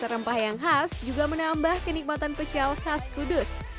dan rempah yang khas juga menambah kenikmatan pecel khas kudus